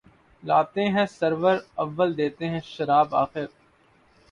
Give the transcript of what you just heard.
لاتے ہیں سرور اول دیتے ہیں شراب آخر